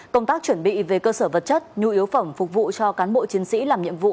công tác chuẩn bị về cơ sở vật chất nhu yếu phẩm phục vụ cho cán bộ chiến sĩ làm nhiệm vụ